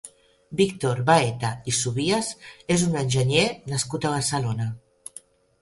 Víctor Baeta i Subías és un enginyer nascut a Barcelona.